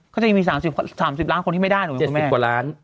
เขาจะยังมีสามสิบสามสิบล้านคนที่ไม่ได้ถูกไหมครับคุณแม่เจ็ดสิบกว่าล้าน